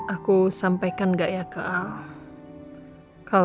aku sampaikan gak ya kak